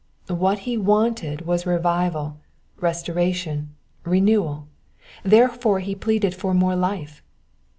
What he wanted was revival, restoration, renewal ; therefore he pleaded for more life.